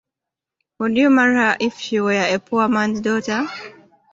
Would you marry her if she were a poor man's daughter?